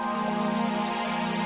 pada arah karma